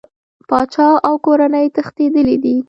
پاچا او کورنۍ تښتېدلي دي.